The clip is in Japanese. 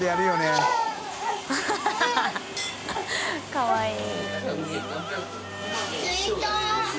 かわいい。